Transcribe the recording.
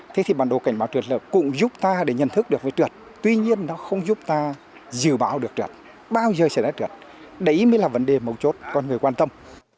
thế thì bản đồ cảnh báo trượt lở cũng giúp ta để nhận thức được cái trượt tuy nhiên nó không giúp ta dự báo được trượt bao giờ sẽ là trượt đấy mới là vấn đề mâu chốt con người quan tâm